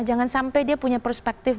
jangan sampai dia punya perspektif